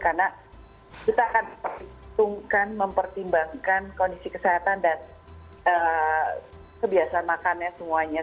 karena kita akan menghitungkan mempertimbangkan kondisi kesehatan dan kebiasaan makannya semuanya